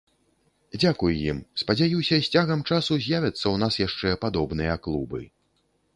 Дзякуй ім, спадзяюся, з цягам часу з'явяцца ў нас яшчэ падобныя клубы.